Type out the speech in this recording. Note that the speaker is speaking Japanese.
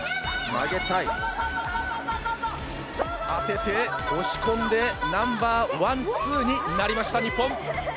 当てて、押し込んでナンバーワンツーになりました日本。